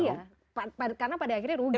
iya karena pada akhirnya rugi ya